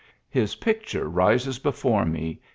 "His pid ure rises before me